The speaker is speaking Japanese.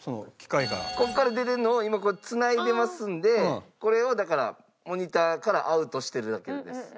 ここから出てるのを今繋いでますんでこれをモニターからアウトしてるだけです。